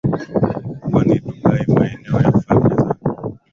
mkubwa ni Dubai Maeneo ya Falme za